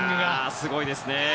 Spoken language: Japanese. すごいですね。